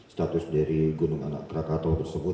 status dari gunung anak rakatau tersebut